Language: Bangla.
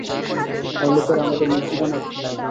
আর লোকেরা আমাদের মূর্তি বানাবে।